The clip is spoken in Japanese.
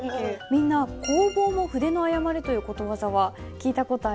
みんな「弘法も筆の誤り」ということわざは聞いた事ありますか？